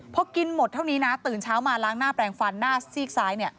พอกินหมดเท่านี้นะตื่นเช้ามาล้างหน้าแปลงฟันหน้าซีกซ้าย